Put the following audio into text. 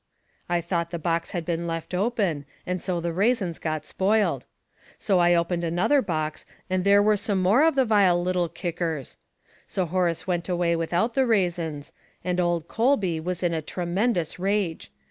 I thought the box had been left open, and so the raisins got spoiled ; so I opened another box and there were some more df the vile little kickers I So Horace went away Matsins, 21 without the raisins, and old Colby was in a tre mendous rage.